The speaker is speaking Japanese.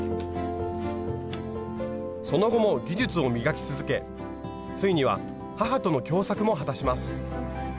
その後も技術を磨き続けついには母との共作も果たします。